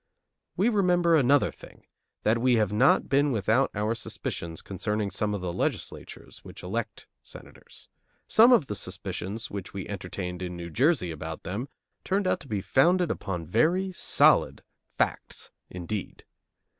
We remember another thing: that we have not been without our suspicions concerning some of the legislatures which elect Senators. Some of the suspicions which we entertained in New Jersey about them turned out to be founded upon very solid facts indeed.